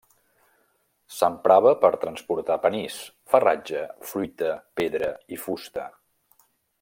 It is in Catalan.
S'emprava per transportar panís, farratge, fruita, pedra i fusta.